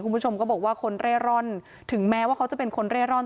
คุณผู้ชมก็บอกว่าคนเร่ร่อนถึงแม้ว่าเขาจะเป็นคนเร่ร่อน